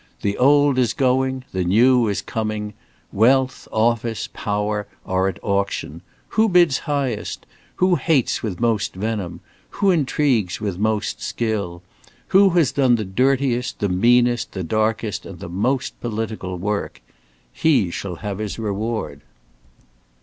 The old is going; the new is coming. Wealth, office, power are at auction. Who bids highest? who hates with most venom? who intrigues with most skill? who has done the dirtiest, the meanest, the darkest, and the most, political work? He shall have his reward.